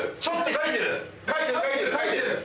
かいてるかいてるかいてる！